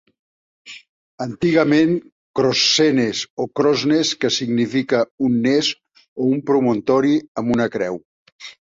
Antigament Crossenes o Crosnes que significa un "ness" o un promontori amb una creu.